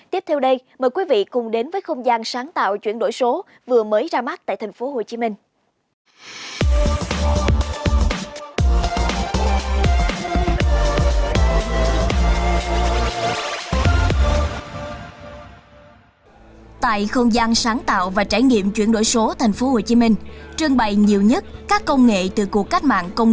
tiếp theo đây mời quý vị cùng đến với không gian sáng tạo chuyển đổi số vừa mới ra mắt tại tp hcm